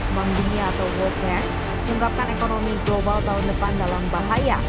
bank dunia atau world bank mengungkapkan ekonomi global tahun depan dalam bahaya